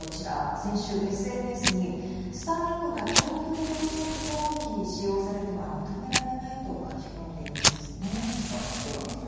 先週ＳＮＳにスターリンクが長距離ドローン攻撃に使用されるのは認められないと書き込んでいるんですね。